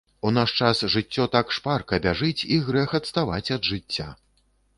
У наш час жыццё так шпарка бяжыць і грэх адставаць ад жыцця.